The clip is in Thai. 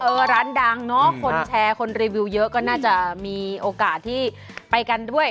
ร้านดังเนอะคนแชร์คนรีวิวเยอะก็น่าจะมีโอกาสที่ไปกันด้วย